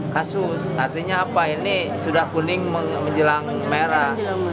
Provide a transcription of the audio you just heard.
kasus artinya apa ini sudah kuning menjelang merah